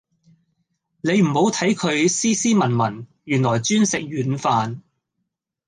你唔好睇佢斯斯文文，原來專食軟飯